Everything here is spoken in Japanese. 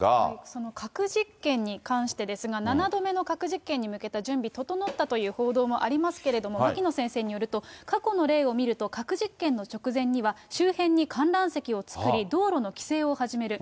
その核実験に関してですが、７度目の核実験に向けた準備整ったという報道もありますけれども、牧野先生によると、過去の例を見ると、核実験の直前には、周辺に観覧席を作り、道路の規制を始める。